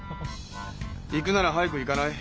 行くなら早く行かない？